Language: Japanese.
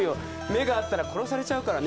「目が合ったら殺されちゃうからね